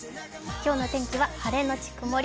今日の天気は晴れのち曇り。